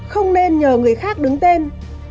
không nên nhờ người khác đứng tên